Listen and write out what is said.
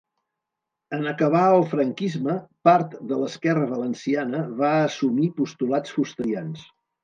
En acabar el franquisme, part de l'esquerra valenciana, va assumir postulats fusterians.